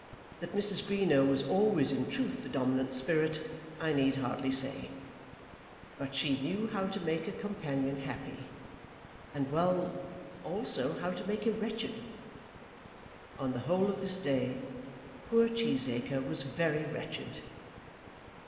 That Mrs. Greenow was always in truth the dominant spirit I need hardly say; but she knew how to make a companion happy, and well also how to make him wretched. On the whole of this day poor Cheesacre was very wretched.